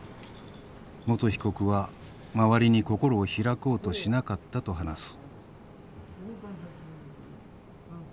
元被告は周りに心を開こうとしなかったと話す。